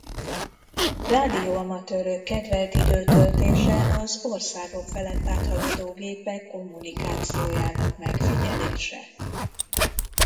Rádióamatőrök kedvelt időtöltése az országok felett áthaladó gépek kommunikációjának megfigyelése.